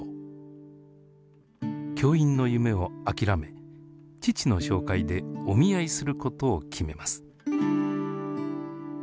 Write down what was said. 教員の夢を諦め父の紹介でお見合いすることを決めます。